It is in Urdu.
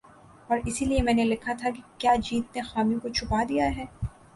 اور اسی لیے میں نے لکھا تھا کہ "کیا جیت نے خامیوں کو چھپا دیا ہے ۔